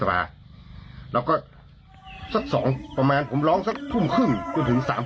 ถ้ามีคุณมาถ่ายคลิปล่ะ